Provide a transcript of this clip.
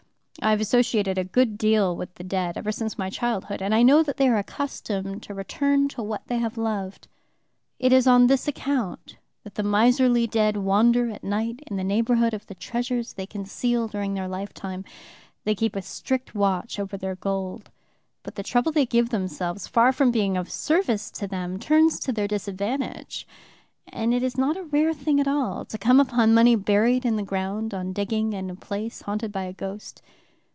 I have associated a good deal with the dead ever since my childhood, and I know that they are accustomed to return to what they have loved. "It is on this account that the miserly dead wander at night in the neighborhood of the treasures they conceal during their life time. They keep a strict watch over their gold; but the trouble they give themselves, far from being of service to them, turns to their disadvantage; and it is not a rare thing at all to come upon money buried in the ground on digging in a place haunted by a ghost.